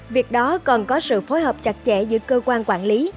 việc đó cần có sự phối hợp chặt chẽ giữa cơ quan quản lý